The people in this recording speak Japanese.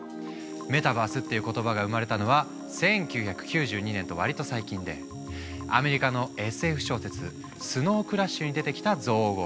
メタバースっていう言葉が生まれたのは１９９２年と割と最近でアメリカのＳＦ小説「スノウ・クラッシュ」に出てきた造語。